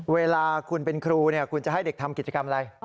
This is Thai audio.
เวลาคุณเป็นครูคุณจะให้เด็กทำกิจกรรมอะไร